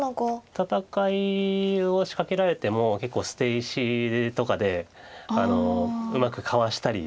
戦いを仕掛けられても結構捨て石とかでうまくかわしたりっていう。